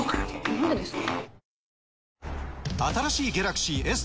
何でですか？